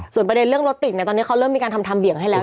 ส่วนประเด็นเรื่องรถติดเนี่ยตอนนี้เขาเริ่มมีการทำทำเบี่ยงให้แล้ว